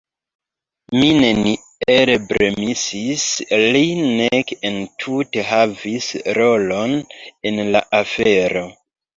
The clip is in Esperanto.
Mi neniel bremsis lin nek entute havis rolon en la afero.